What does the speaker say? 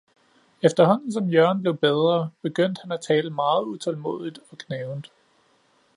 Efterhaanden som Jørgen blev bedre, begyndte han at tale meget utaalmodigt og gnavent.